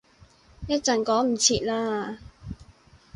一陣趕唔切喇